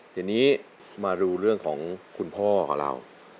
ทีนี้มาดูเรื่องของคุณพ่อของเรา